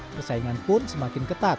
persaingan pun semakin ketat